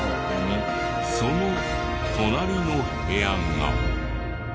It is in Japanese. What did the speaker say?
その隣の部屋が。